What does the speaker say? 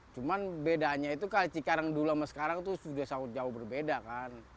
cuman bedanya itu kali cikarang dulu sama sekarang itu sudah jauh berbeda kan